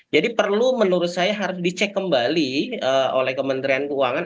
jadi perlu menurut saya harus dicek kembali oleh kementerian keuangan